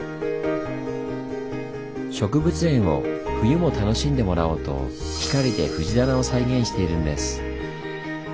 植物園を冬も楽しんでもらおうと光で藤棚を再現しているんです。